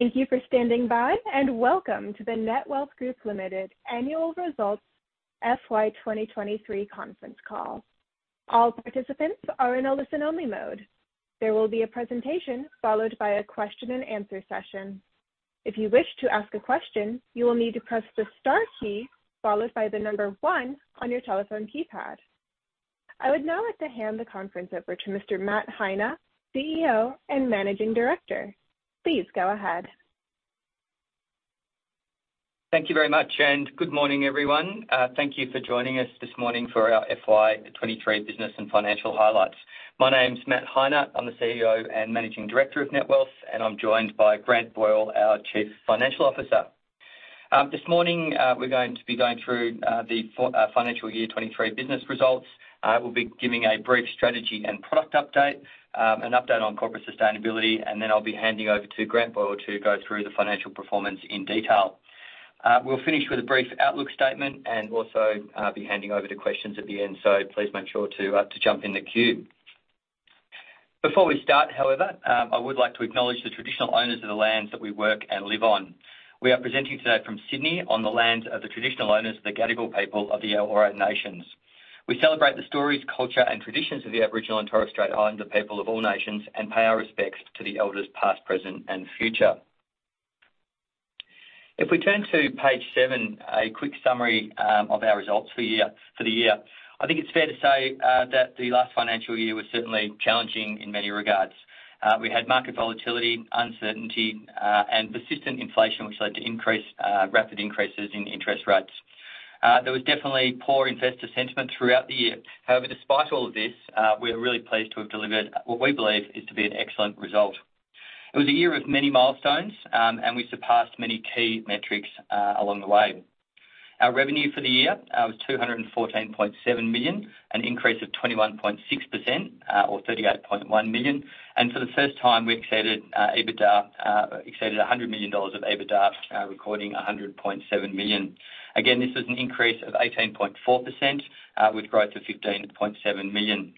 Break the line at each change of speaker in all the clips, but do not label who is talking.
Thank you for standing by. Welcome to the Netwealth Group Limited annual results FY 2023 conference call. All participants are in a listen-only mode. There will be a presentation followed by a question and answer session. If you wish to ask a question, you will need to press the Star key, followed by the number 1 on your telephone keypad. I would now like to hand the conference over to Mr. Matt Heine, CEO and Managing Director. Please go ahead.
Thank you very much. Good morning, everyone. Thank you for joining us this morning for our FY23 business and financial highlights. My name's Matt Heine. I'm the CEO and Managing Director of Netwealth, and I'm joined by Grant Boyle, our Chief Financial Officer. This morning, we're going to be going through the financial year 2023 business results. We'll be giving a brief strategy and product update, an update on corporate sustainability, and then I'll be handing over to Grant Boyle to go through the financial performance in detail. We'll finish with a brief outlook statement and also be handing over to questions at the end, so please make sure to jump in the queue. Before we start, however, I would like to acknowledge the traditional owners of the lands that we work and live on. We are presenting today from Sydney on the lands of the traditional owners of the Gadigal people of the Eora nations. We celebrate the stories, culture, and traditions of the Aboriginal and Torres Strait Islander people of all nations, and pay our respects to the elders past, present, and future. If we turn to page 7, a quick summary of our results for year, for the year. I think it's fair to say that the last financial year was certainly challenging in many regards. We had market volatility, uncertainty, and persistent inflation, which led to increased rapid increases in interest rates. There was definitely poor investor sentiment throughout the year. However, despite all of this, we are really pleased to have delivered what we believe is to be an excellent result. It was a year of many milestones, and we surpassed many key metrics along the way. Our revenue for the year was 214.7 million, an increase of 21.6%, or 38.1 million. For the first time, we exceeded EBITDA, exceeded 100 million dollars of EBITDA, recording 100.7 million. Again, this is an increase of 18.4%, with growth of 15.7 million.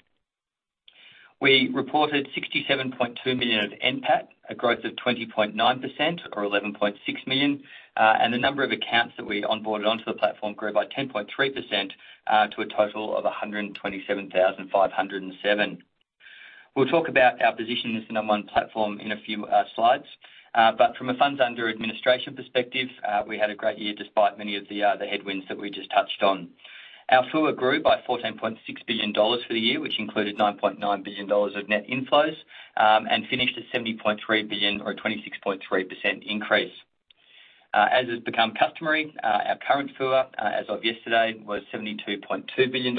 We reported 67.2 million of NPAT, a growth of 20.9% or 11.6 million, and the number of accounts that we onboarded onto the platform grew by 10.3% to a total of 127,507. We'll talk about our position as the number one platform in a few slides, but from a funds under administration perspective, we had a great year, despite many of the headwinds that we just touched on. Our FUA grew by 14.6 billion dollars for the year, which included 9.9 billion dollars of net inflows, and finished at 70.3 billion or a 26.3% increase. As has become customary, our current FUA, as of yesterday, was AUD 72.2 billion,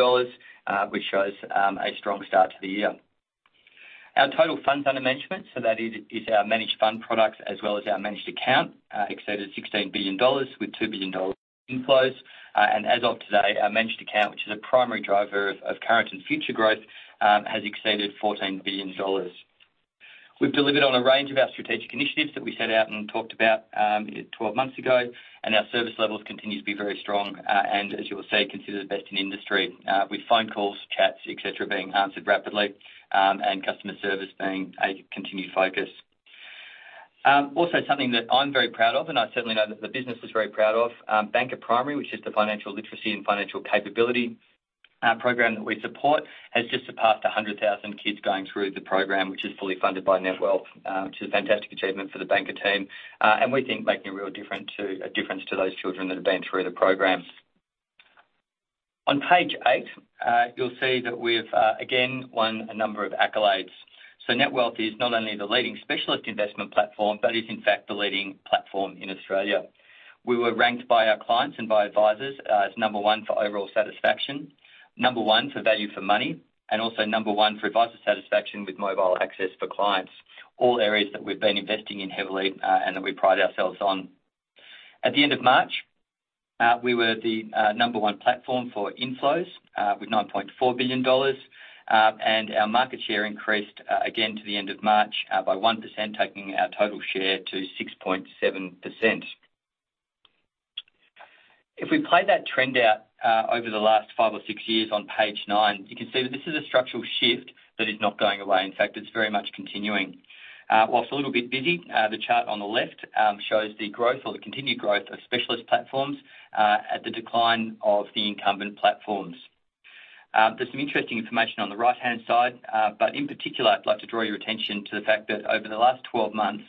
which shows a strong start to the year. Our total funds under management, so that is, is our managed fund products as well as our managed account, exceeded 16 billion dollars with 2 billion dollars inflows. As of today, our managed account, which is a primary driver of, of current and future growth, has exceeded AUD 14 billion. We've delivered on a range of our strategic initiatives that we set out and talked about, 12 months ago, and our service levels continue to be very strong, and as you will see, considered the best in industry, with phone calls, chats, et cetera, being answered rapidly, and customer service being a continued focus. Also something that I'm very proud of, and I certainly know that the business is very proud of, Banqer Primary, which is the financial literacy and financial capability program that we support, has just surpassed 100,000 kids going through the program, which is fully funded by Netwealth, which is a fantastic achievement for the Banqer team, and we think making a real difference to, a difference to those children that have been through the program. On page 8, you'll see that we've again won a number of accolades. Netwealth is not only the leading specialist investment platform, but is in fact the leading platform in Australia. We were ranked by our clients and by advisors as number one for overall satisfaction, number 1 for value for money, and also number one for advisor satisfaction with mobile access for clients. All areas that we've been investing in heavily and that we pride ourselves on. At the end of March, we were the number 1 platform for inflows, with 9.4 billion dollars, and our market share increased again to the end of March by 1%, taking our total share to 6.7%. If we play that trend out over the last 5 or 6 years on page 9, you can see that this is a structural shift that is not going away. In fact, it's very much continuing. Whilst a little bit busy, the chart on the left shows the growth or the continued growth of specialist platforms at the decline of the incumbent platforms. There's some interesting information on the right-hand side, but in particular, I'd like to draw your attention to the fact that over the last 12 months,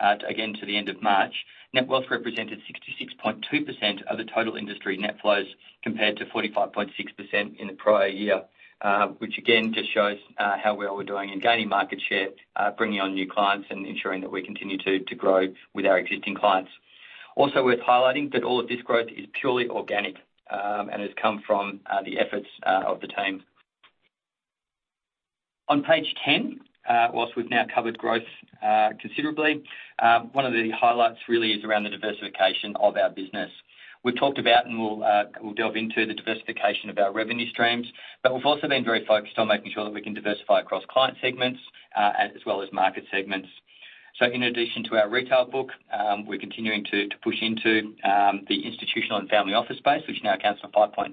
again to the end of March, Netwealth represented 66.2% of the total industry net flows, compared to 45.6% in the prior year, which again just shows how well we're doing in gaining market share, bringing on new clients, and ensuring that we continue to, to grow with our existing clients. Also worth highlighting that all of this growth is purely organic, and has come from the efforts of the team. On page 10, whilst we've now covered growth considerably, one of the highlights really is around the diversification of our business. We've talked about, and we'll, we'll delve into the diversification of our revenue streams, but we've also been very focused on making sure that we can diversify across client segments, as well as market segments. So in addition to our retail book, we're continuing to, to push into, the institutional and family office space, which now accounts for 5.8%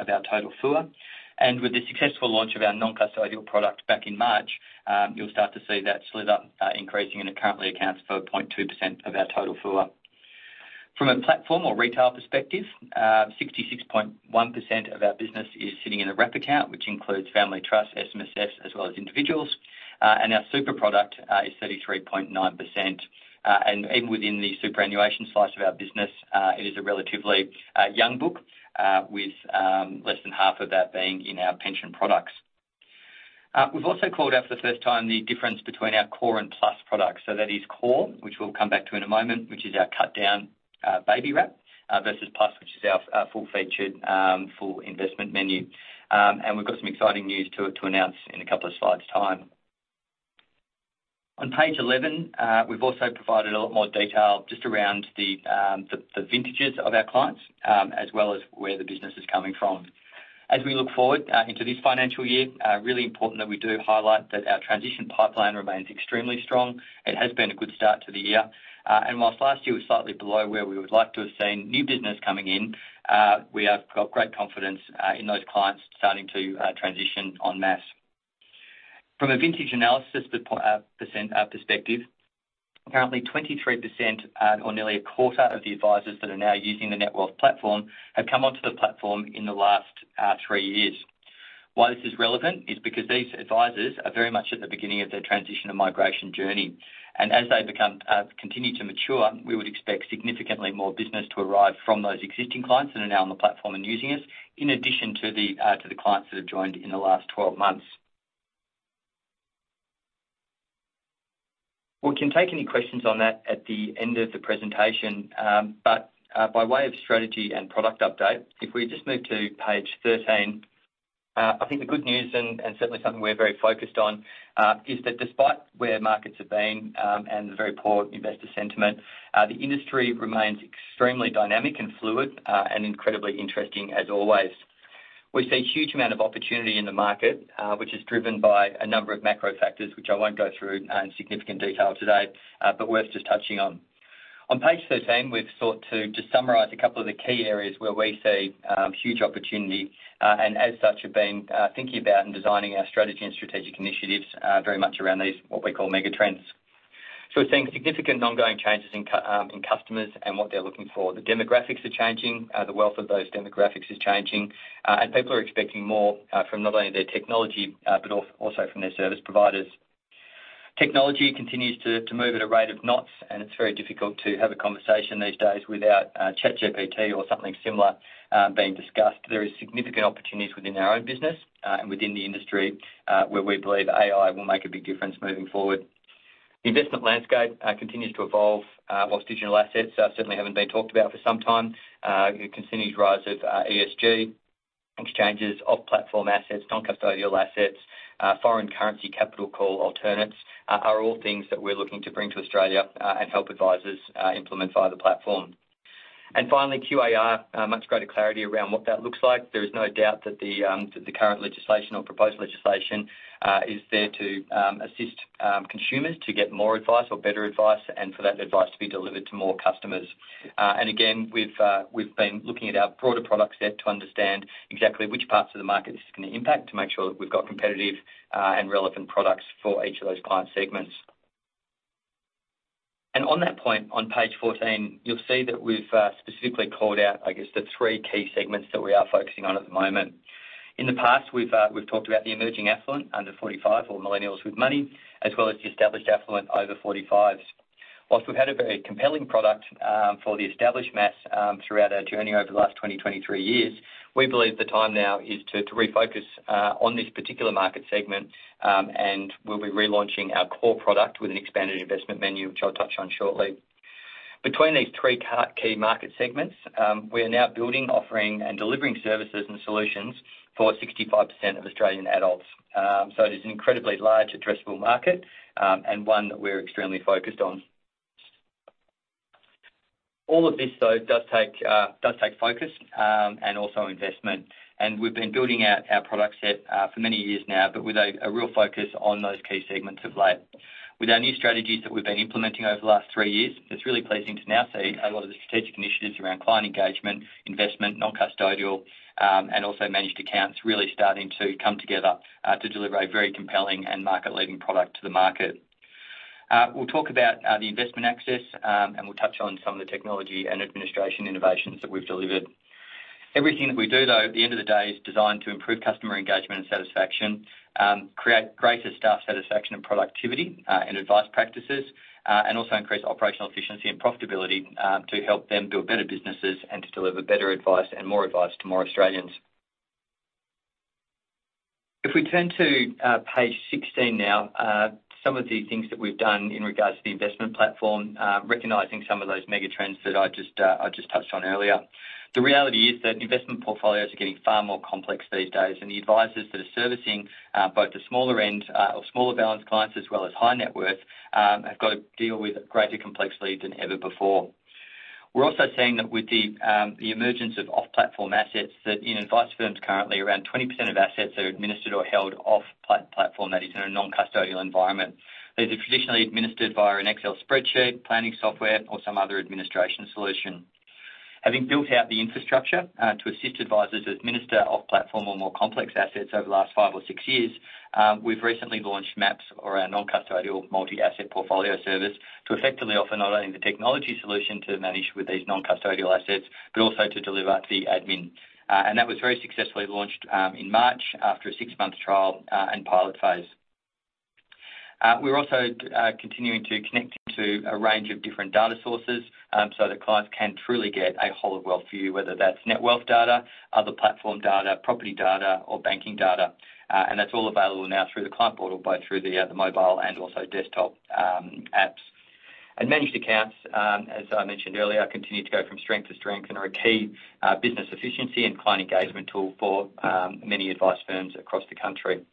of our total FUA. And with the successful launch of our non-custodial product back in March, you'll start to see that slip up, increasing, and it currently accounts for 0.2% of our total FUA. From a platform or retail perspective, 66.1% of our business is sitting in a wrap account, which includes family trust, SMSFs, as well as individuals. And our super product is 33.9%. Even within the superannuation slice of our business, it is a relatively young book, with less than half of that being in our pension products. We've also called out for the first time, the difference between our core and plus products. That is core, which we'll come back to in a moment, which is our cut down, baby wrap, versus plus, which is our full-featured, full investment menu. We've got some exciting news to announce in two slides time. On page 11, we've also provided a lot more detail just around the vintages of our clients, as well as where the business is coming from. We look forward into this financial year, really important that we do highlight that our transition pipeline remains extremely strong. It has been a good start to the year. Whilst last year was slightly below where we would like to have seen new business coming in, we have got great confidence in those clients starting to transition en masse. From a vintage analysis per percent perspective, currently 23% or nearly a quarter of the advisors that are now using the Netwealth platform, have come onto the platform in the last three years. Why this is relevant is because these advisors are very much at the beginning of their transition and migration journey. As they become continue to mature, we would expect significantly more business to arrive from those existing clients that are now on the platform and using us, in addition to the to the clients that have joined in the last 12 months. We can take any questions on that at the end of the presentation. By way of strategy and product update, if we just move to page 13. I think the good news and certainly something we're very focused on is that despite where markets have been and the very poor investor sentiment, the industry remains extremely dynamic and fluid and incredibly interesting as always. We see a huge amount of opportunity in the market, which is driven by a number of macro factors, which I won't go through in significant detail today, but worth just touching on. On page 13, we've sought to just summarize a couple of the key areas where we see huge opportunity, and as such, have been thinking about and designing our strategy and strategic initiatives very much around these, what we call mega trends. We're seeing significant ongoing changes in customers and what they're looking for. The demographics are changing, the wealth of those demographics is changing, and people are expecting more from not only their technology, but also from their service providers. Technology continues to, to move at a rate of knots, and it's very difficult to have a conversation these days without ChatGPT or something similar being discussed. There is significant opportunities within our own business, and within the industry, where we believe AI will make a big difference moving forward. The investment landscape continues to evolve, whilst digital assets certainly haven't been talked about for some time. The continued rise of ESG, exchanges, off-platform assets, noncustodial assets, foreign currency, capital call alternates, are all things that we're looking to bring to Australia and help advisors implement via the platform. Finally, QAR, much greater clarity around what that looks like. There is no doubt that the that the current legislation or proposed legislation is there to assist consumers to get more advice or better advice, and for that advice to be delivered to more customers. Again, we've, we've been looking at our broader product set to understand exactly which parts of the market this is going to impact, to make sure that we've got competitive, and relevant products for each of those client segments. On that point, on page 14, you'll see that we've specifically called out, I guess, the three key segments that we are focusing on at the moment. In the past, we've, we've talked about the emerging affluent under 45 or millennials with money, as well as the established affluent over 45s. Whilst we've had a very compelling product for the established mass throughout our journey over the last 20-23 years, we believe the time now is to refocus on this particular market segment. We'll be relaunching our Core product with an expanded investment menu, which I'll touch on shortly. Between these three key market segments, we are now building, offering, and delivering services and solutions for 65% of Australian adults. It is an incredibly large addressable market, and one that we're extremely focused on. All of this, though, does take focus and also investment. We've been building out our product set for many years now, but with a real focus on those key segments of late. With our new strategies that we've been implementing over the last 3 years, it's really pleasing to now see a lot of the strategic initiatives around client engagement, investment, noncustodial, and also managed accounts, really starting to come together to deliver a very compelling and market-leading product to the market. We'll talk about the investment access, and we'll touch on some of the technology and administration innovations that we've delivered. Everything that we do, though, at the end of the day, is designed to improve customer engagement and satisfaction, create greater staff satisfaction and productivity, and advice practices, and also increase operational efficiency and profitability, to help them build better businesses and to deliver better advice and more advice to more Australians. If we turn to page 16 now, some of the things that we've done in regards to the investment platform, recognizing some of those mega trends that I just touched on earlier. The reality is that investment portfolios are getting far more complex these days. The advisors that are servicing both the smaller end, or smaller balanced clients, as well as high net worth, have got to deal with greater complexity than ever before. We're also seeing that with the emergence of off-platform assets, that in advice firms, currently, around 20% of assets are administered or held off-platform, that is, in a noncustodial environment. These are traditionally administered via an Excel spreadsheet, planning software, or some other administration solution.... Having built out the infrastructure to assist advisors administer off-platform or more complex assets over the last five or six years, we've recently launched MAPS, or our non-custodial Multi-Asset Portfolio Service, to effectively offer not only the technology solution to manage with these non-custodial assets, but also to deliver the admin. That was very successfully launched in March after a six-month trial and pilot phase. We're also continuing to connect to a range of different data sources so that clients can truly get a whole of wealth view, whether that's Netwealth data, other platform data, property data, or banking data. That's all available now through the client portal, both through the mobile and also desktop apps. Managed accounts, as I mentioned earlier, continue to go from strength to strength and are a key business efficiency and client engagement tool for many advice firms across the country.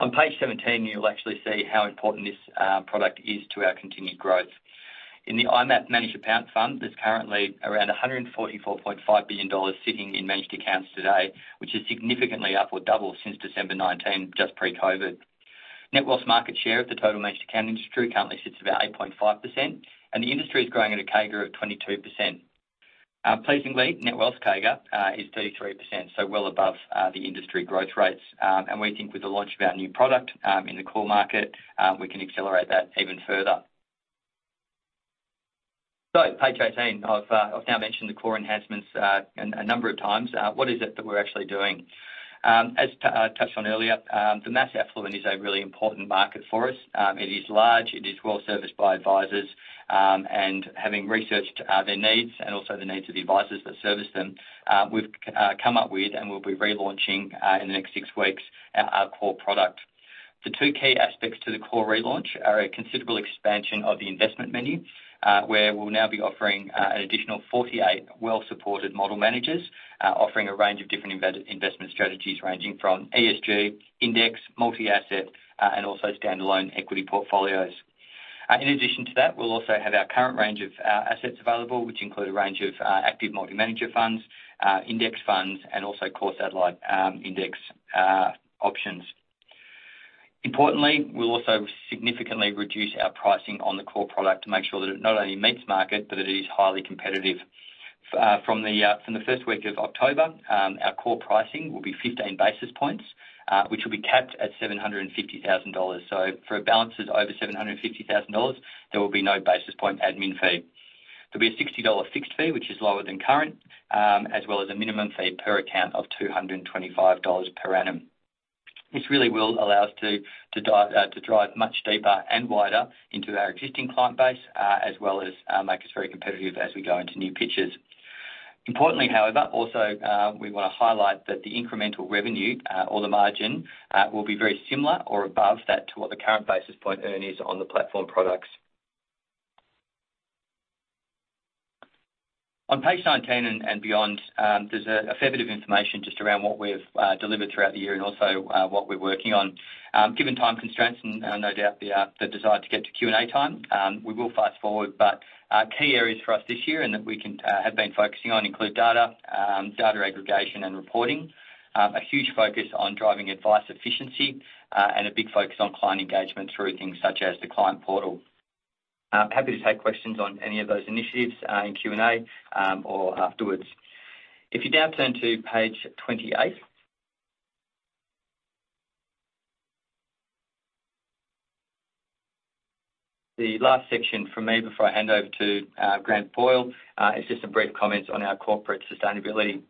On page 17, you'll actually see how important this product is to our continued growth. In the IMAP managed account fund, there's currently around 144.5 billion dollars sitting in managed accounts today, which is significantly up or double since December 2019, just pre-COVID. Netwealth's market share of the total managed account industry currently sits at about 8.5%, and the industry is growing at a CAGR of 22%. Pleasingly, Netwealth's CAGR is 33%, so well above the industry growth rates. We think with the launch of our new product in the core market, we can accelerate that even further. Page 18. I've, I've now mentioned the core enhancements, a number of times. What is it that we're actually doing? As I touched on earlier, the mass affluent is a really important market for us. It is large, it is well serviced by advisors, and having researched their needs and also the needs of the advisors that service them, we've come up with, and we'll be relaunching, in the next 6 weeks, our, our core product. The two key aspects to the core relaunch are a considerable expansion of the investment menu, where we'll now be offering an additional 48 well-supported model managers, offering a range of different investment strategies, ranging from ESG, index, multi-asset, and also standalone equity portfolios. In addition to that, we'll also have our current range of assets available, which include a range of active multi-manager funds, index funds, and also core satellite index options. Importantly, we'll also significantly reduce our pricing on the core product to make sure that it not only meets market, but it is highly competitive. From the first week of October, our core pricing will be 15 basis points, which will be capped at 750,000 dollars. For balances over 750,000 dollars, there will be no basis point admin fee. There'll be an 60 dollar fixed fee, which is lower than current, as well as a minimum fee per account of 225 dollars per annum. This really will allow us to, to dive, to drive much deeper and wider into our existing client base, as well as, make us very competitive as we go into new pitches. Importantly, however, also, we want to highlight that the incremental revenue, or the margin, will be very similar or above that to what the current basis point earn is on the platform products. On page 19 and, and beyond, there's a, a fair bit of information just around what we've, delivered throughout the year and also, what we're working on. Given time constraints and no doubt the desire to get to Q&A time, we will fast forward, but key areas for us this year and that we can have been focusing on include data, data aggregation and reporting, a huge focus on driving advice efficiency, and a big focus on client engagement through things such as the client portal. I'm happy to take questions on any of those initiatives in Q&A or afterwards. If you now turn to page 28. The last section from me before I hand over to Grant Boyle is just some brief comments on our corporate sustainability.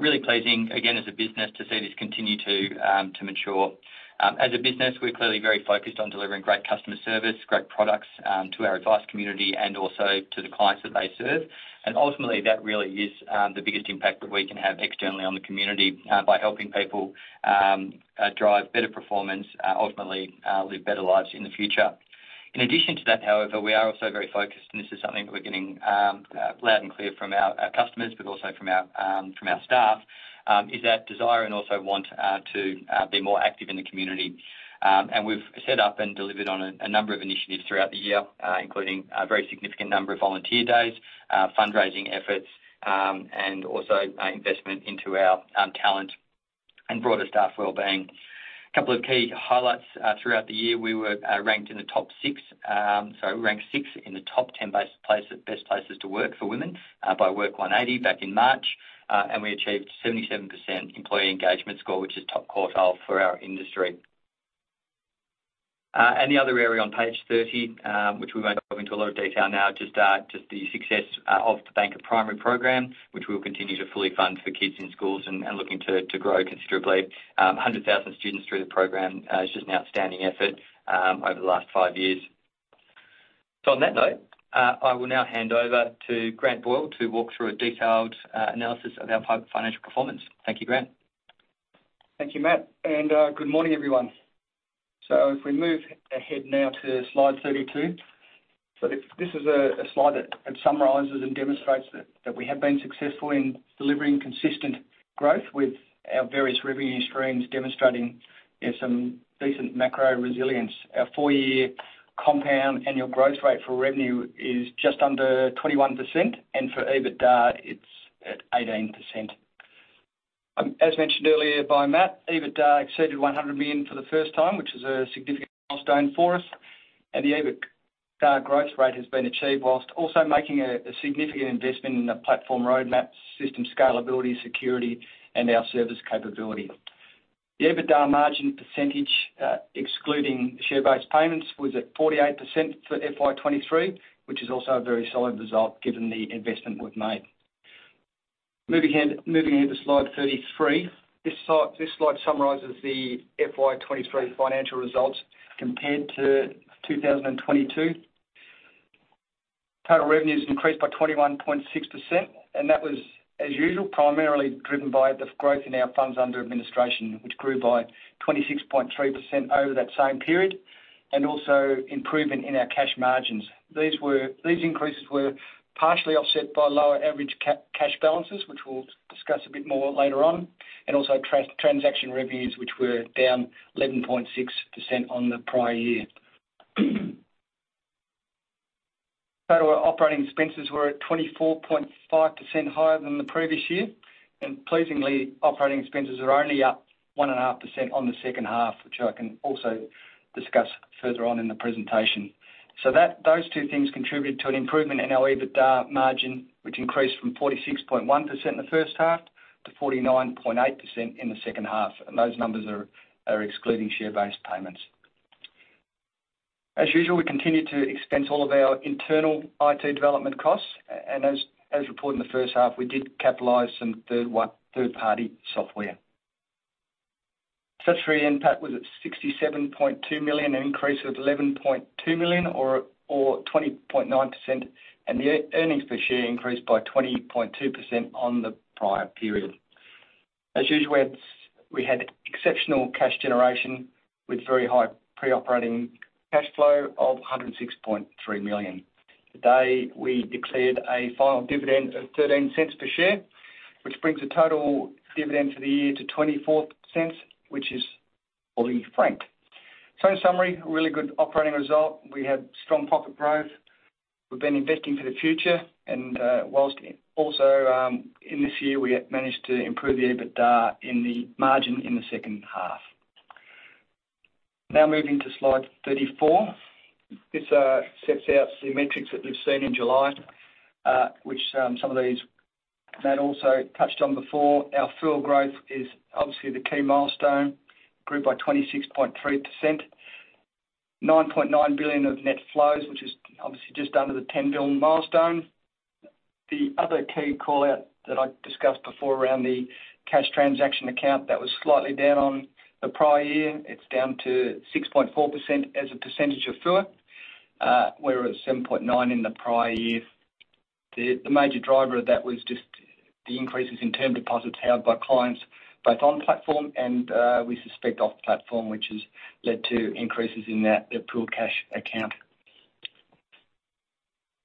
Really pleasing, again, as a business, to see this continue to mature. As a business, we're clearly very focused on delivering great customer service, great products, to our advice community and also to the clients that they serve. Ultimately, that really is the biggest impact that we can have externally on the community by helping people drive better performance, ultimately, live better lives in the future. In addition to that, however, we are also very focused, and this is something that we're getting loud and clear from our, our customers, but also from our, from our staff, is that desire and also want to be more active in the community. Um, and we've set up and delivered on a, a number of initiatives throughout the year, uh, including a very significant number of volunteer days, uh, fundraising efforts, um, and also investment into our, um, talent and broader staff wellbeing. A couple of key highlights, uh, throughout the year, we were, uh, ranked in the top six, um, so ranked sixth in the top 10 best places, best places to work for women, uh, by WORK180, back in March, uh, and we achieved 77% employee engagement score, which is top quartile for our industry. Uh, and the other area on page 30, um, which we won't go into a lot of detail now, just, uh, just the success, uh, of the Banquer Primary program, which we'll continue to fully fund for kids in schools and, and looking to, to grow considerably. A 100,000 students through the program is just an outstanding effort over the last five years. On that note, I will now hand over to Grant Boyle to walk through a detailed analysis of our financial performance. Thank you, Grant.
Thank you, Matt. Good morning, everyone. If we move ahead now to slide 32. This, this is a, a slide that, that summarizes and demonstrates that, that we have been successful in delivering consistent growth with our various revenue streams, demonstrating, you know, some decent macro resilience. Our 4-year compound annual growth rate for revenue is just under 21%, and for EBITDA, it's at 18%. As mentioned earlier by Matt, EBITDA exceeded 100 million for the first time, which is a significant milestone for us, and the EBIT growth rate has been achieved whilst also making a, a significant investment in the platform roadmap, system scalability, security, and our service capability. The EBITDA margin percentage, excluding share-based payments, was at 48% for FY23, which is also a very solid result given the investment we've made. Moving ahead, moving ahead to slide 33. This slide, this slide summarizes the FY23 financial results compared to 2022. Total revenues increased by 21.6%, that was, as usual, primarily driven by the growth in our funds under administration, which grew by 26.3% over that same period, also improvement in our cash margins. These increases were partially offset by lower average cash balances, which we'll discuss a bit more later on, also transaction revenues, which were down 11.6% on the prior year. Total operating expenses were at 24.5% higher than the previous year, pleasingly, operating expenses are only up 1.5% on the second half, which I can also discuss further on in the presentation. Those two things contributed to an improvement in our EBITDA margin, which increased from 46.1% in the first half to 49.8% in the second half, and those numbers are, are excluding share-based payments. As usual, we continued to expense all of our internal IT development costs, and as, as reported in the first half, we did capitalize some third-party software. Statutory NPAT was at 67.2 million, an increase of 11.2 million or, or 20.9%, and the earnings per share increased by 20.2% on the prior period. As usual, we had, we had exceptional cash generation with very high pre-operating cash flow of 106.3 million. Today, we declared a final dividend of 0.13 per share, which brings the total dividend for the year to 0.24, which is fully franked. In summary, a really good operating result. We had strong profit growth. We've been investing for the future, and whilst also in this year, we managed to improve the EBITDA in the margin in the second half. Moving to slide 34. This sets out the metrics that we've seen in July, which some of these, Matt also touched on before. Our FUA growth is obviously the key milestone, grew by 26.3%. 9.9 billion of net flows, which is obviously just under the 10 billion milestone. The other key call-out that I discussed before around the cash transaction account, that was slightly down on the prior year. It's down to 6.4% as a percentage of FUA, we were at 7.9% in the prior year. The, the major driver of that was just the increases in term deposits held by clients, both on-platform and, we suspect off-platform, which has led to increases in that, the pooled cash account.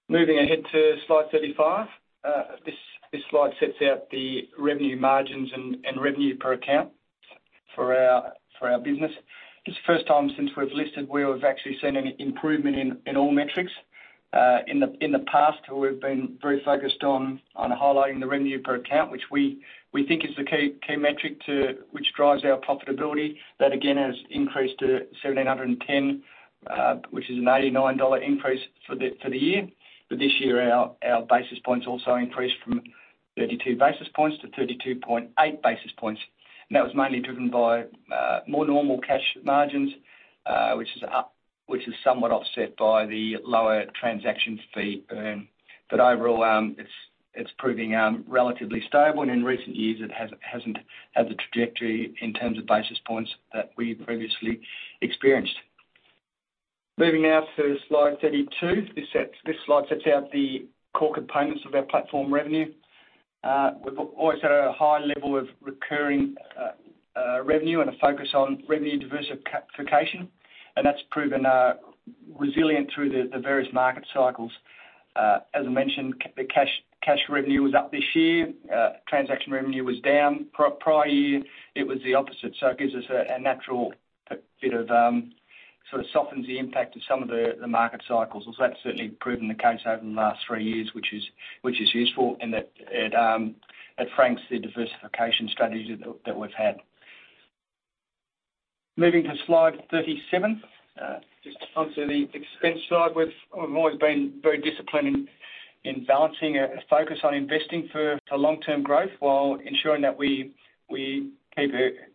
Moving ahead to slide 35. This, this slide sets out the revenue margins and, and revenue per account for our, for our business. It's the first time since we've listed where we've actually seen an improvement in, in all metrics. In the, in the past, we've been very focused on, on highlighting the revenue per account, which we, we think is the key, key metric which drives our profitability. That, again, has increased to 1,710, which is an $89 increase for the, for the year. This year, our basis points also increased from 32 basis points to 32.8 basis points. That was mainly driven by more normal cash margins, which is up, which is somewhat offset by the lower transaction fee earn. Overall, it's proving relatively stable, and in recent years, it hasn't had the trajectory in terms of basis points that we previously experienced. Moving now to slide 32. This slide sets out the core components of our platform revenue. We've always had a high level of recurring revenue and a focus on revenue diversification, and that's proven resilient through the various market cycles. As I mentioned, the cash revenue was up this year. Transaction revenue was down. Prior year, it was the opposite, so it gives us a natural, a bit of sort of softens the impact of some of the, the market cycles. Well, that's certainly proven the case over the last three years, which is, which is useful, and that it, it franks the diversification strategy that, that we've had. Moving to slide 37. Just onto the expense side, we've, we've always been very disciplined in, in balancing a, a focus on investing for, for long-term growth, while ensuring that we, we keep,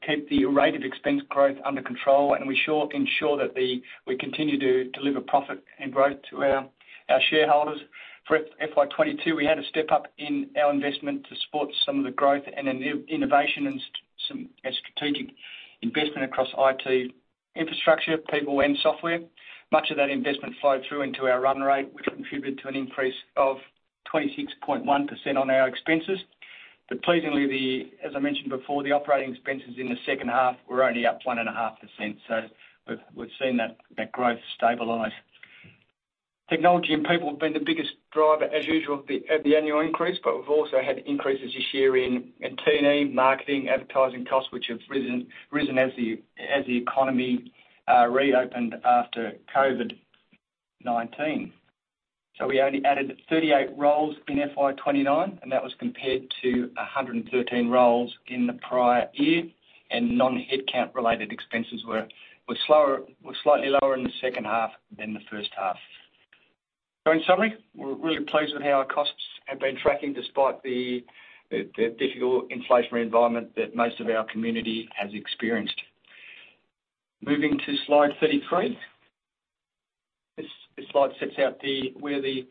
keep the rate of expense growth under control, and we ensure that the we continue to deliver profit and growth to our, our shareholders. For FY22, we had a step up in our investment to support some of the growth and the innovation and some strategic investment across IT infrastructure, people, and software. Much of that investment flowed through into our run rate, which contributed to an increase of 26.1% on our expenses. Pleasingly, as I mentioned before, the operating expenses in the second half were only up 1.5%, so we've seen that growth stabilize. Technology and people have been the biggest driver, as usual, at the annual increase, we've also had increases this year in T&E, marketing, advertising costs, which have risen as the economy reopened after COVID-19. We only added 38 roles in FY 23, and that was compared to 113 roles in the prior year, and non-headcount related expenses were slightly lower in the second half than the first half. In summary, we're really pleased with how our costs have been tracking despite the difficult inflationary environment that most of our community has experienced. Moving to slide 33. This slide sets out where the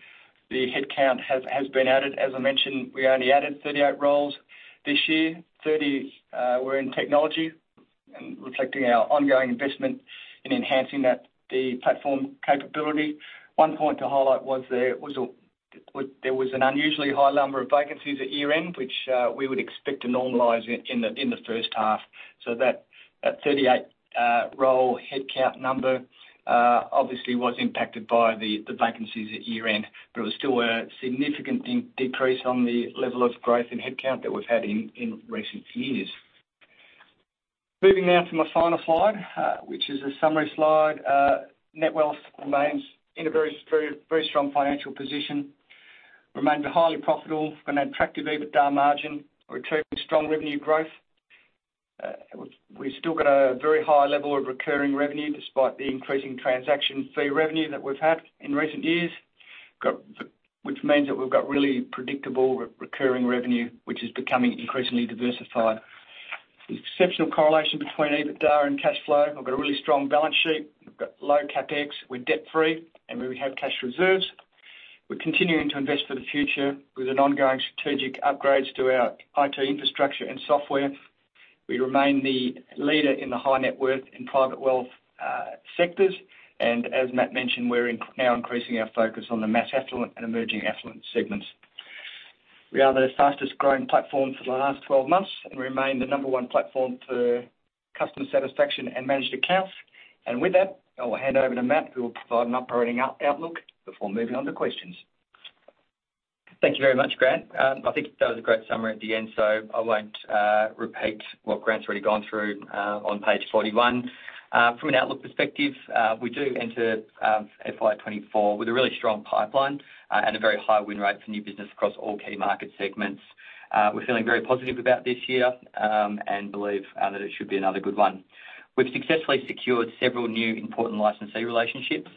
headcount has been added. As I mentioned, we only added 38 roles this year. 30 were in technology and reflecting our ongoing investment in enhancing the platform capability. One point to highlight was there was an unusually high number of vacancies at year-end, which we would expect to normalize in the first half. That, that 38 role headcount number obviously was impacted by the vacancies at year-end, but it was still a significant decrease on the level of growth in headcount that we've had in recent years. Moving now to my final slide, which is a summary slide. Netwealth remains in a very, very, very strong financial position, remained highly profitable and an attractive EBITDA margin, retaining strong revenue growth. We've, we've still got a very high level of recurring revenue despite the increasing transaction fee revenue that we've had in recent years. Which means that we've got really predictable recurring revenue, which is becoming increasingly diversified. The exceptional correlation between EBITDA and cash flow. We've got a really strong balance sheet. We've got low CapEx, we're debt-free, and we have cash reserves. We're continuing to invest for the future with an ongoing strategic upgrades to our IT infrastructure and software. We remain the leader in the high net worth in private wealth sectors, as Matt mentioned, we're now increasing our focus on the mass affluent and emerging affluent segments. We are the fastest growing platform for the last 12 months, we remain the number one platform for customer satisfaction and managed accounts. With that, I will hand over to Matt, who will provide an operating outlook before moving on to questions.
Thank you very much, Grant. I think that was a great summary at the end, so I won't repeat what Grant's already gone through on page 41. From an outlook perspective, we do enter FY24 with a really strong pipeline and a very high win rate for new business across all key market segments. We're feeling very positive about this year and believe that it should be another good one. We've successfully secured several new important licensee relationships,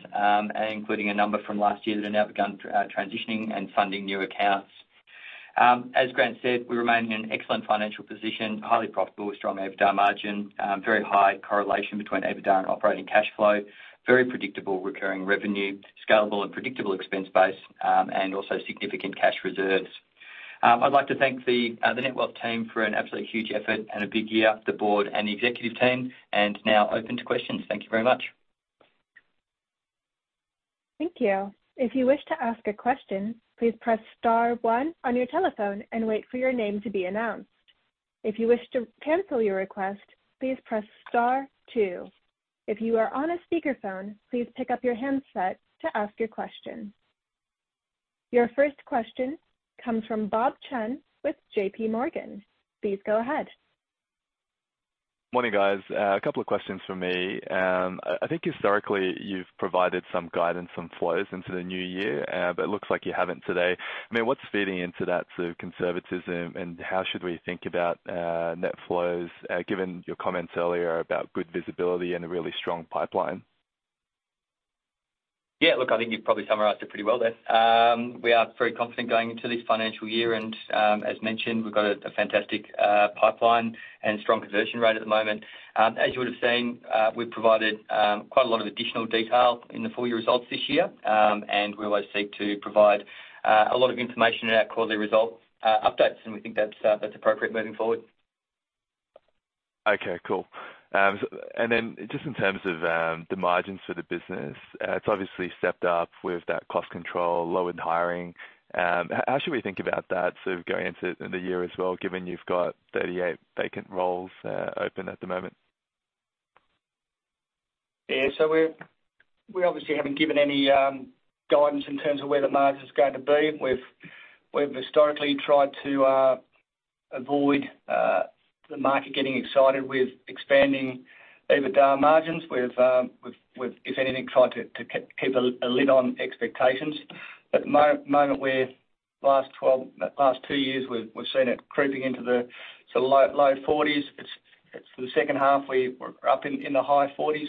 including a number from last year that have now begun transitioning and funding new accounts. As Grant said, we remain in an excellent financial position, highly profitable with strong EBITDA margin, very high correlation between EBITDA and operating cash flow, very predictable recurring revenue, scalable and predictable expense base, also significant cash reserves. I'd like to thank the Netwealth team for an absolutely huge effort and a big year, the board and the executive team, and now open to questions. Thank you very much.
Thank you. If you wish to ask a question, please press star one on your telephone and wait for your name to be announced. If you wish to cancel your request, please press star two. If you are on a speakerphone, please pick up your handset to ask your question. Your first question comes from Bob Chen with JPMorgan. Please go ahead.
Morning, guys. A couple of questions from me. I, I think historically, you've provided some guidance on flows into the new year, but it looks like you haven't today. I mean, what's feeding into that sort of conservatism, and how should we think about net flows, given your comments earlier about good visibility and a really strong pipeline?
Yeah, look, I think you've probably summarized it pretty well there. We are very confident going into this financial year, and as mentioned, we've got a fantastic pipeline and strong conversion rate at the moment. As you would have seen, we've provided quite a lot of additional detail in the full year results this year. We always seek to provide a lot of information in our quarterly result updates, and we think that's that's appropriate moving forward.
Okay, cool. Just in terms of the margins for the business, it's obviously stepped up with that cost control, lowered hiring. How should we think about that sort of going into the year as well, given you've got 38 vacant roles open at the moment?
Yeah, we obviously haven't given any guidance in terms of where the margin is going to be. We've, we've historically tried to avoid the market getting excited with expanding EBITDA margins. We've, we've, we've, if anything, tried to keep a, a lid on expectations. At the moment, we're last 12, last two years, we've, we've seen it creeping into the sort of low, low 40s. It's, it's for the second half, we were up in the high 40s.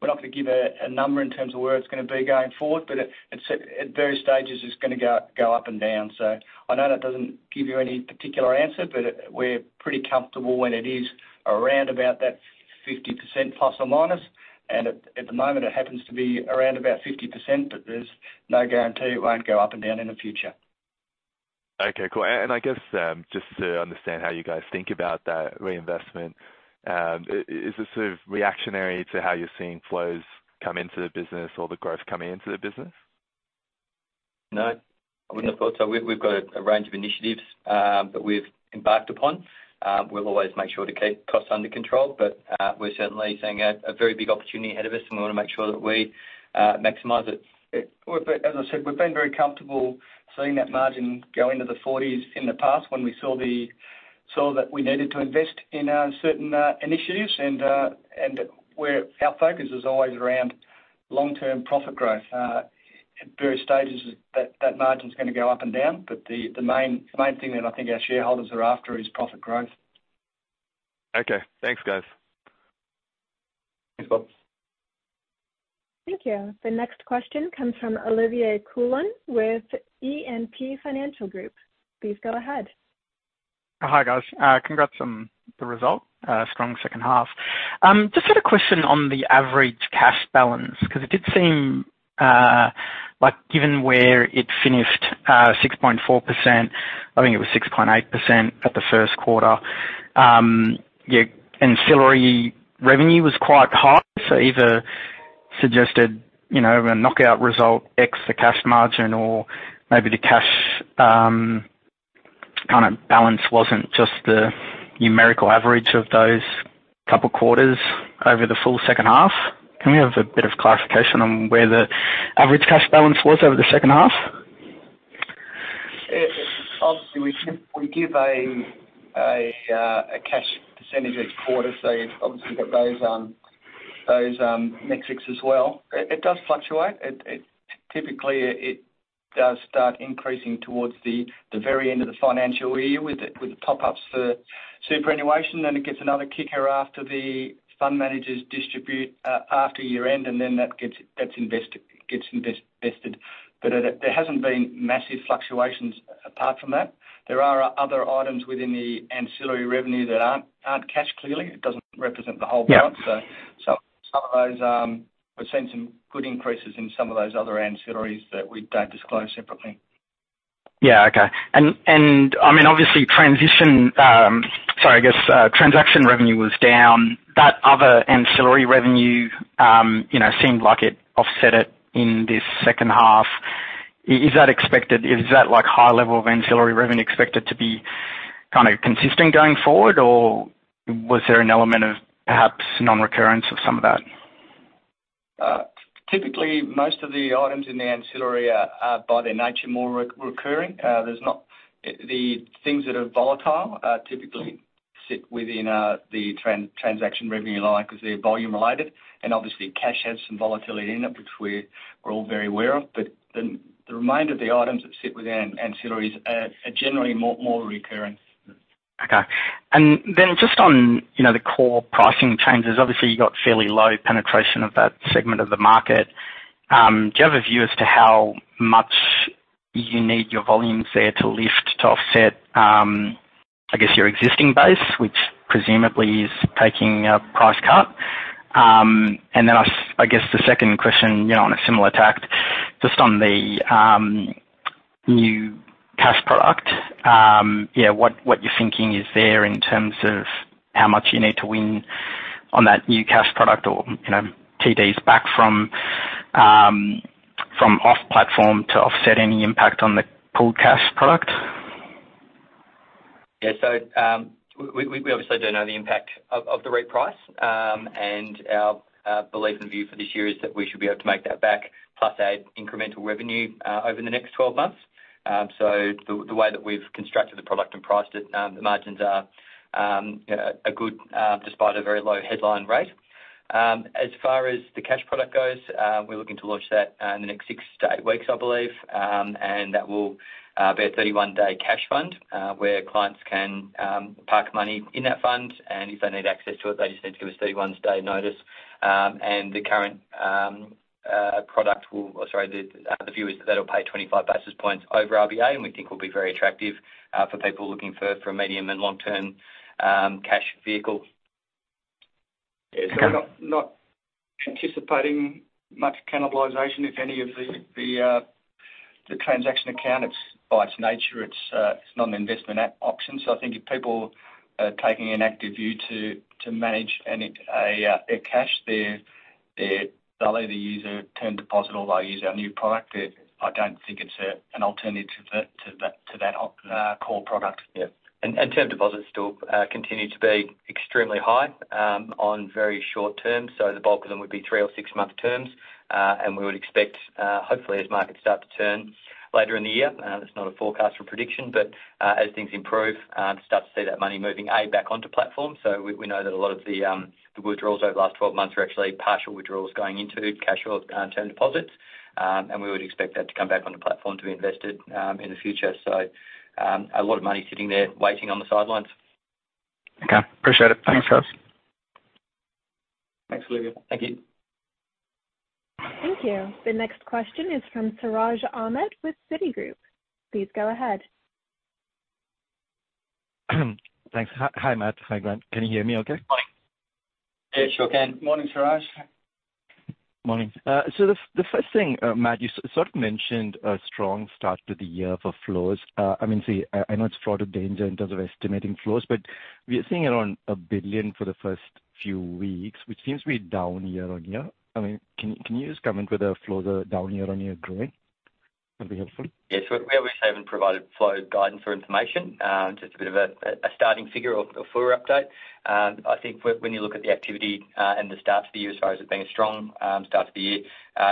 We're not going to give a, a number in terms of where it's going to be going forward, but it, it's at various stages, it's going to go, go up and down. I know that doesn't give you any particular answer, but we're pretty comfortable when it is around about that 50% ±. At the moment, it happens to be around about 50%. There's no guarantee it won't go up and down in the future.
Okay, cool. I guess, just to understand how you guys think about that reinvestment, is this sort of reactionary to how you're seeing flows come into the business or the growth coming into the business?
No, I wouldn't have thought so. We've, we've got a range of initiatives, that we've embarked upon. We'll always make sure to keep costs under control, but we're certainly seeing a very big opportunity ahead of us, and we want to make sure that we maximize it.
As I said, we've been very comfortable seeing that margin go into the 40s in the past when we saw the, uh-... so that we needed to invest in certain initiatives, and where our focus is always around long-term profit growth. At various stages, that, that margin is gonna go up and down, but the, the main, main thing that I think our shareholders are after is profit growth.
Okay. Thanks, guys.
Thanks, Bob.
Thank you. The next question comes from Olivier Coulon with E&P Financial Group. Please go ahead.
Hi, guys. Congrats on the result, strong second half. Just had a question on the average cash balance, because it did seem like, given where it finished, 6.4%, I think it was 6.8% at the first quarter. Your ancillary revenue was quite high, so either suggested, you know, a knockout result X the cash margin or maybe the cash kind of balance wasn't just the numerical average of those couple quarters over the full second half. Can we have a bit of clarification on where the average cash balance was over the second half?
Obviously, we give a cash percentage each quarter, so you've obviously got those metrics as well. It does fluctuate. It typically does start increasing towards the very end of the financial year with the top ups for superannuation, then it gets another kicker after the fund managers distribute after year-end, and then that gets, that's invested, it gets invested. But there hasn't been massive fluctuations apart from that. There are other items within the ancillary revenue that aren't cash, clearly. It doesn't represent the whole part.
Yeah.
some of those, we've seen some good increases in some of those other ancillaries that we don't disclose separately.
Yeah, okay. I mean, obviously, transition, sorry, I guess, transaction revenue was down. That other ancillary revenue, you know, seemed like it offset it in this second half. Is that expected? Is that, like, high level of ancillary revenue expected to be kind of consistent going forward, or was there an element of perhaps non-recurrence of some of that?
Typically, most of the items in the ancillary are, by their nature, more recurring. The things that are volatile, typically sit within the transaction revenue line because they're volume related, and obviously cash has some volatility in it, which we're, we're all very aware of. The remainder of the items that sit within ancillaries are generally more recurring.
Okay. Then just on, you know, the core pricing changes, obviously, you got fairly low penetration of that segment of the market. Do you have a view as to how much you need your volumes there to lift to offset, I guess, your existing base, which presumably is taking a price cut? Then I guess the second question, you know, on a similar tact, just on the new cash product, yeah, what you're thinking is there in terms of how much you need to win on that new cash product or, you know, TDs back from off platform to offset any impact on the pooled cash product?
Yeah. We obviously do know the impact of the reprice. Our belief and view for this year is that we should be able to make that back, plus add incremental revenue over the next 12 months. The way that we've constructed the product and priced it, the margins are a good despite a very low headline rate. As far as the cash product goes, we're looking to launch that in the next six to eight weeks, I believe. That will be a 31-day cash fund, where clients can park money in that fund, and if they need access to it, they just need to give us 31-day notice. The current view is that'll pay 25 basis points over RBA, and we think will be very attractive for people looking for a medium and long-term cash vehicle.
We're not, not anticipating much cannibalization, if any, of the, the, the transaction account. It's by its nature, it's, it's not an investment at option. I think if people are taking an active view to, to manage any, a cash there, they'll either use a Term Deposit or they'll use our new product. I don't think it's an alternative to that, to that core product.
Yeah. Term Deposits still continue to be extremely high on very short term. The bulk of them would be three or six-month terms. We would expect hopefully, as markets start to turn later in the year, that's not a forecast or prediction, but as things improve, to start to see that money moving, A, back onto platform. We, we know that a lot of the withdrawals over the last 12 months are actually partial withdrawals going into cash or Term Deposits. We would expect that to come back on the platform to be invested in the future. A lot of money sitting there waiting on the sidelines.
Okay. Appreciate it. Thanks, guys.
Thanks, Olivier.
Thank you.
Thank you. The next question is from Siraj Ahmed with Citigroup. Please go ahead.
Thanks. Hi, Matt. Hi, Grant. Can you hear me okay?
Morning.
Yes, sure can.
Morning, Siraj.
Morning. The first thing, Matt, you sort of mentioned a strong start to the year for flows. I mean, see, I, I know it's fraught with danger in terms of estimating flows, but we are seeing around 1 billion for the first few weeks, which seems to be down year-on-year. I mean, can you just comment whether flows are down year-on-year growing? That'd be helpful.
Yes, we, we obviously haven't provided flow guidance or information, just a bit of a, a starting figure or, or fuller update. I think when, when you look at the activity, and the start to the year, as far as it being a strong, start to the year,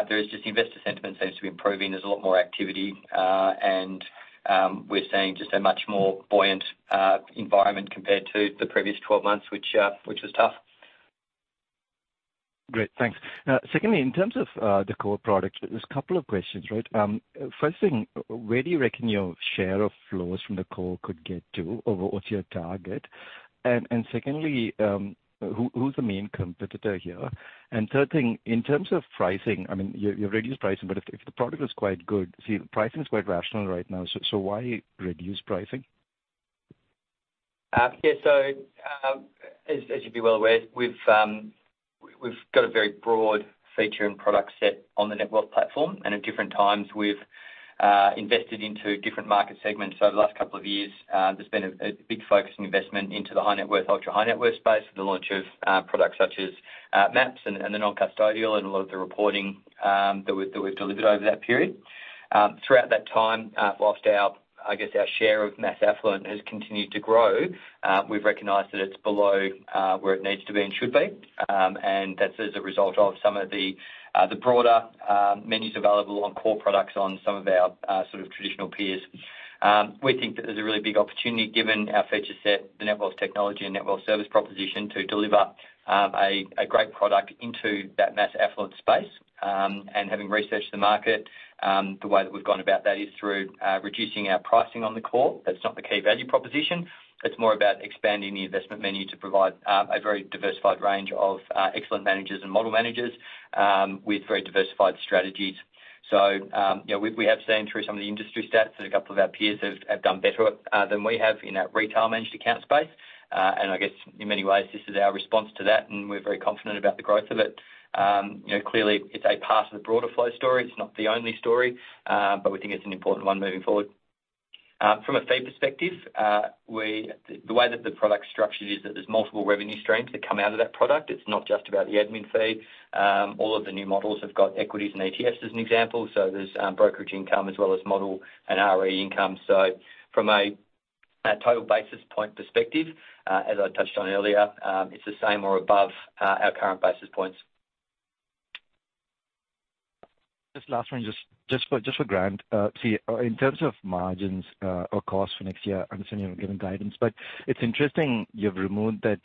there is just the investor sentiment seems to be improving. There's a lot more activity, and, we're seeing just a much more buoyant, environment compared to the previous 12 months, which, which was tough.
Great, thanks. Secondly, in terms of the core product, there's a couple of questions, right? First thing, where do you reckon your share of flows from the core could get to, or what's your target? Secondly, who, who's the main competitor here? Third thing, in terms of pricing, I mean, you, you've reduced pricing, but if, if the product is quite good, see, the pricing is quite rational right now, so, so why reduce pricing?
Yeah, as you'd be well aware, we've, we've got a very broad feature and product set on the Netwealth platform, and at different times we've, invested into different market segments. Over the last couple of years, there's been a big focus on investment into the high net worth, ultra high net worth space with the launch of, products such as, MAPS and the non-custodial, and a lot of the reporting, that we've delivered over that period. Throughout that time, whilst our, I guess, our share of mass affluent has continued to grow, we've recognized that it's below, where it needs to be and should be. That's as a result of some of the broader menus available on core products on some of our sort of traditional peers. We think that there's a really big opportunity, given our feature set, the Netwealth technology and Netwealth service proposition, to deliver a great product into that mass affluent space. Having researched the market, the way that we've gone about that is through reducing our pricing on the core. That's not the key value proposition. It's more about expanding the investment menu to provide a very diversified range of excellent managers and model managers with very diversified strategies. You know, we, we have seen through some of the industry stats that a couple of our peers have done better than we have in our retail managed account space. I guess in many ways this is our response to that, and we're very confident about the growth of it. You know, clearly it's a part of the broader flow story. It's not the only story, but we think it's an important one moving forward. From a fee perspective, the way that the product's structured is that there's multiple revenue streams that come out of that product. It's not just about the admin fee. All of the new models have got equities and ETFs, as an example. There's brokerage income as well as model and RE income. From a total basis point perspective, as I touched on earlier, it's the same or above our current basis points.
Just last one, just, just for, just for Grant. See, in terms of margins, or costs for next year, I understand you're not giving guidance, but it's interesting you've removed that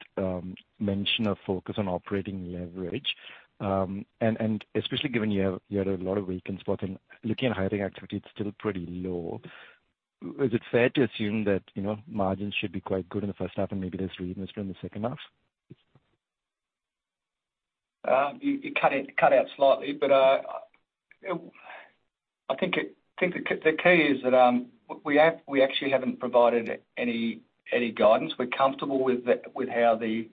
mention of focus on operating leverage. Especially given you have, you had a lot of weak spots and looking at hiring activity, it's still pretty low. Is it fair to assume that, you know, margins should be quite good in the first half and maybe there's weakness during the second half?
You, you cut it, cut out slightly, but I think the key is that we have, we actually haven't provided any, any guidance. We're comfortable with the, with how the,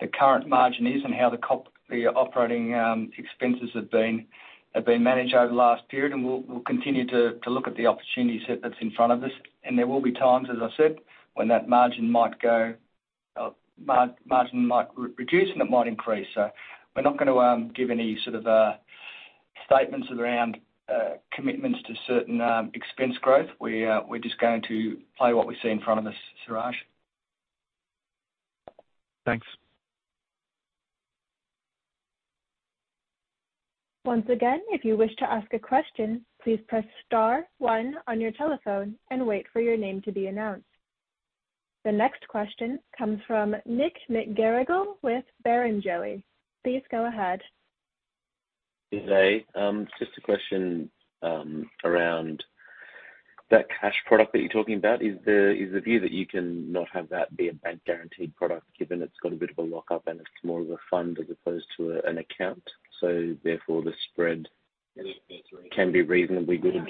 the current margin is and how the operating expenses have been, have been managed over the last period. We'll, we'll continue to, to look at the opportunities that, that's in front of us. There will be times, as I said, when that margin might go, margin might reduce and it might increase. We're not gonna give any sort of statements around commitments to certain expense growth. We, we're just going to play what we see in front of us, Suraj.
Thanks.
Once again, if you wish to ask a question, please press star one on your telephone and wait for your name to be announced. The next question comes from Nick McGarrigle with Barrenjoey. Please go ahead.
Hey, just a question around that cash product that you're talking about. Is the, is the view that you can not have that be a bank guaranteed product, given it's got a bit of a lockup and it's more of a fund as opposed to a, an account, so therefore, the spread can be reasonably good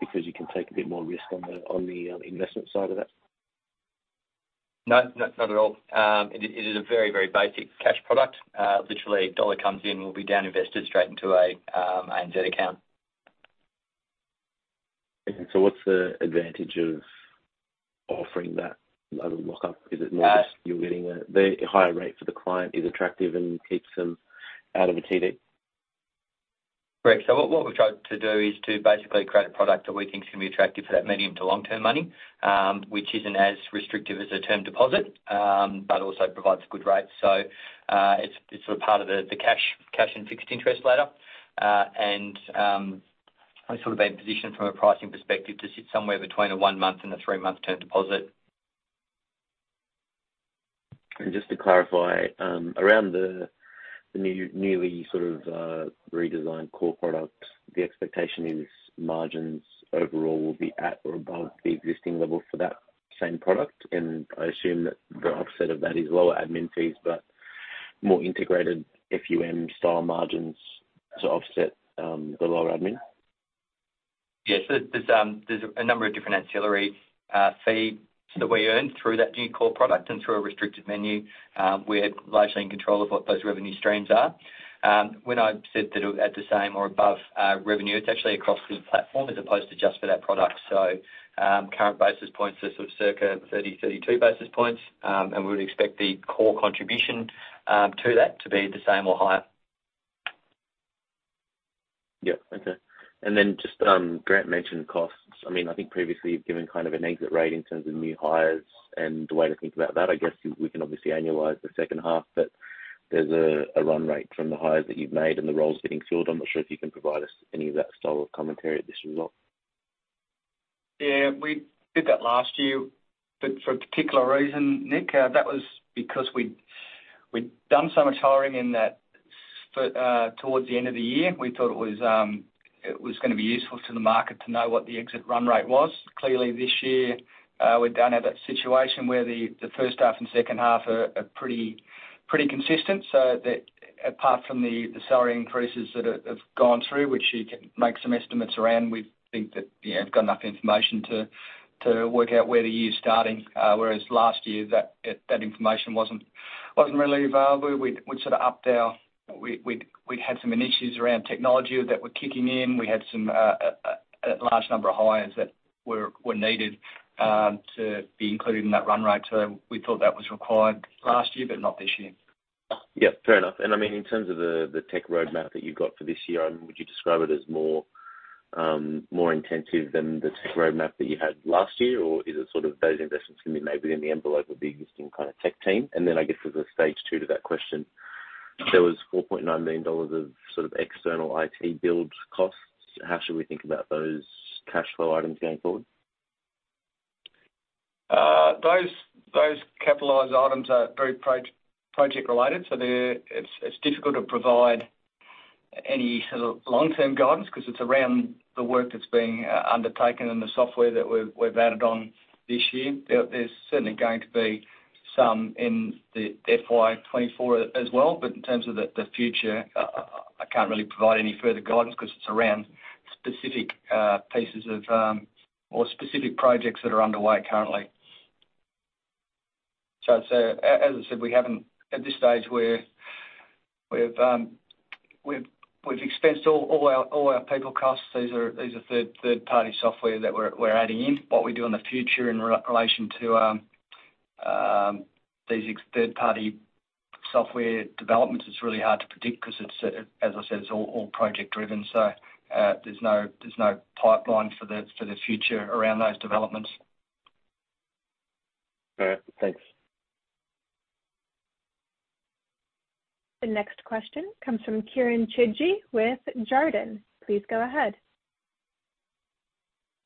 because you can take a bit more risk on the, on the investment side of that?
No, no, not at all. It is, it is a very, very basic cash product. Literally, AUD 1 comes in, will be down invested straight into a ANZ account.
Okay, what's the advantage of offering that level of lockup? Is it more just you're getting a, the higher rate for the client is attractive and keeps them out of a TD?
Great. So what, what we've tried to do is to basically create a product that we think is gonna be attractive for that medium to long-term money, which isn't as restrictive as a term deposit, but also provides good rates. So it's, it's sort of part of the, the cash, cash and fixed interest ladder. And we've sort of been positioned from a pricing perspective to sit somewhere between a one-month and a three-month term deposit.
Just to clarify, around the, the new- newly sort of, redesigned core product, the expectation is margins overall will be at or above the existing level for that same product. I assume that the offset of that is lower admin fees, but more integrated FUM-style margins to offset, the lower admin?
Yes, there's, there's a number of different ancillary fees that we earn through that new Core product and through a restricted menu, we're largely in control of what those revenue streams are. When I said that it at the same or above revenue, it's actually across the platform as opposed to just for that product. Current basis points are sort of circa 30, 32 basis points. We would expect the Core contribution to that to be the same or higher.
Yeah. Okay. Just, Grant mentioned costs. I mean, I think previously you've given kind of an exit rate in terms of new hires and the way to think about that. I guess we can obviously annualize the second half, but there's a run rate from the hires that you've made and the roles getting filled. I'm not sure if you can provide us any of that style of commentary at this result.
Yeah, we did that last year, but for a particular reason, Nick, that was because we'd, we'd done so much hiring in that, but towards the end of the year, we thought it was, it was gonna be useful to the market to know what the exit run rate was. Clearly, this year, we don't have that situation where the, the first half and second half are, are pretty, pretty consistent. Apart from the, the salary increases that have, have gone through, which you can make some estimates around, we think that, yeah, you've got enough information to, to work out where the year's starting. Whereas last year, that, that information wasn't, wasn't really available. We, we sort of upped our... We, we, we had some initiatives around technology that were kicking in. We had some, a large number of hires that were, were needed to be included in that run rate. We thought that was required last year, but not this year.
Yep, fair enough. In terms of the, the tech roadmap that you've got for this year, I mean, would you describe it as more intensive than the tech roadmap that you had last year? Or is it sort of those investments can be maybe in the envelope of the existing kind of tech team? I guess, as a stage two to that question, there was 4.9 million dollars of sort of external IT build costs. How should we think about those cash flow items going forward?
Those, those capitalized items are very project related, so they're, it's, it's difficult to provide any sort of long-term guidance because it's around the work that's being undertaken and the software that we've, we've added on this year. There, there's certainly going to be some in the FY24 as well. In terms of the, the future, I, I, I can't really provide any further guidance because it's around specific pieces of or specific projects that are underway currently. As, as I said, we haven't. At this stage, we're, we've, we've expensed all, all our, all our people costs. These are, these are third-party software that we're, we're adding in. What we do in the future in relation to these third-party software developments, it's really hard to predict because it's as I said, it's all project driven. There's no, there's no pipeline for the future around those developments.
All right, thanks.
The next question comes from Kieran Chidgey with Jarden. Please go ahead.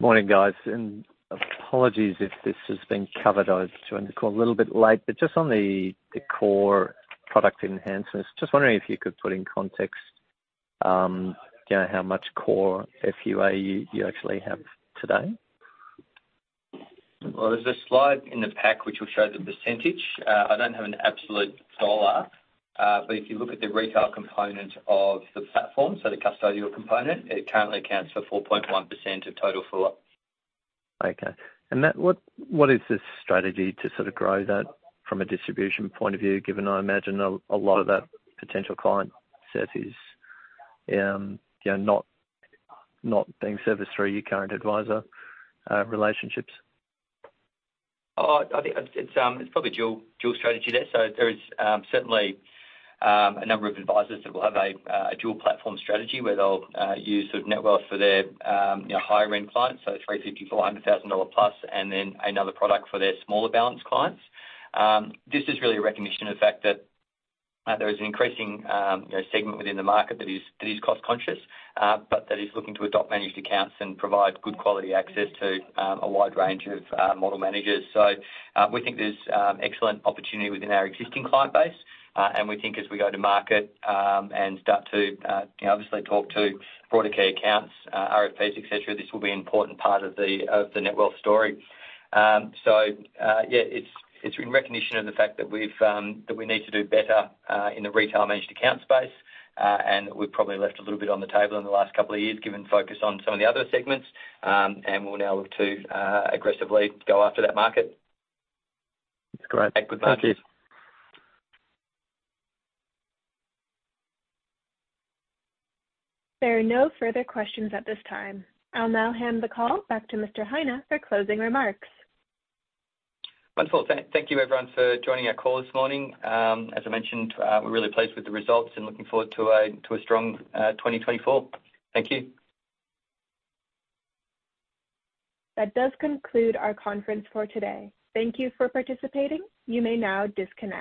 Morning, guys, and apologies if this has been covered. I've joined the call a little bit late. Just on the, the Core product enhancers, just wondering if you could put in context, you know, how much Core FUA you, you actually have today?
There's a slide in the pack which will show the percentage. I don't have an absolute dollar, but if you look at the retail component of the platform, so the custodial component, it currently accounts for 4.1% of total FUA.
Okay. That, what, what is the strategy to sort of grow that from a distribution point of view, given I imagine a, a lot of that potential client set is, you know, not, not being serviced through your current advisor, relationships?
I think it's, it's probably dual, dual strategy there. There is, certainly, a number of advisors that will have a dual platform strategy where they'll use sort of Netwealth for their, you know, higher end clients. 350,000, 400,000 dollars plus, and then another product for their smaller balance clients. This is really a recognition of the fact that there is an increasing, you know, segment within the market that is, that is cost conscious, but that is looking to adopt managed accounts and provide good quality access to a wide range of model managers. We think there's excellent opportunity within our existing client base, and we think as we go to market, and start to, you know, obviously talk to broader key accounts, RFPs, et cetera, this will be an important part of the Netwealth story. Yeah, it's in recognition of the fact that we've that we need to do better in the retail managed account space, and we've probably left a little bit on the table in the last couple of years, given focus on some of the other segments, and we'll now look to aggressively go after that market.
That's great.
Thank you.
Thank you.
There are no further questions at this time. I'll now hand the call back to Mr. Heine for closing remarks.
Wonderful. Thank, thank you, everyone, for joining our call this morning. As I mentioned, we're really pleased with the results and looking forward to a strong 2024. Thank you.
That does conclude our conference for today. Thank you for participating. You may now disconnect.